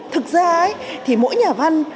thực ra thì mỗi nhà văn